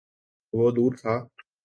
وہ دور تھا۔